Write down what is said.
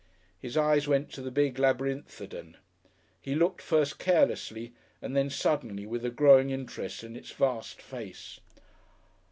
His eyes went to the big Labyrinthodon. He looked first carelessly and then suddenly with a growing interest in its vast face.